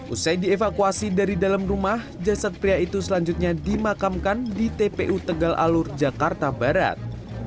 usai dievakuasi dari dalam rumah jasad pria itu selanjutnya dimakamkan di tpu tegal alur jakarta barat